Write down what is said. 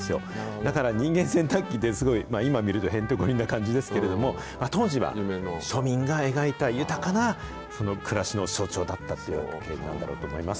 だから、人間洗濯機って、すごい今見ると、へんてこりんな感じですけれども、当時は庶民が描いた豊かな暮らしの象徴だったということなんだろうと思います。